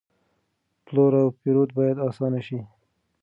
پلور او پېرود باید آسانه شي.